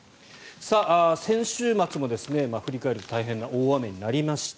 先週末も、振り返ると大変な大雨になりました。